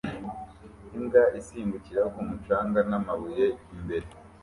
Imbwa isimbukira ku mucanga n'amabuye imbere